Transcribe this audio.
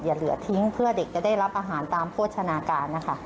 อย่าเหลือทิ้งเพื่อเด็กจะได้รับอาหารตามโภชนาการนะคะ